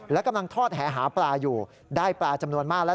และกำลังทอดแหหาปลาอยู่ได้ปลาจำนวนมากแล้ว